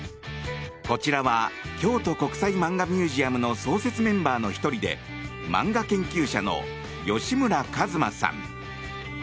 こちらは京都国際マンガミュージアムの創設メンバーの１人で漫画研究者の吉村和真さん。